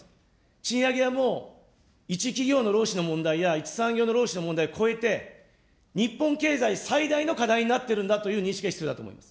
賃上げはもう一企業の労使の問題や一産業の労使の問題超えて、日本経済最大の課題になってるんだという認識が必要だと思います。